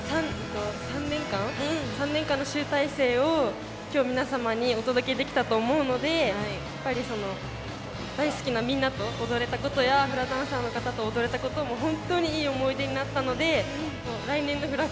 ３年間の集大成を今日皆様にお届けできたと思うので大好きなみんなと踊れたことやフラダンサーの方と踊れたことも本当にいい思い出になったので来年のフラ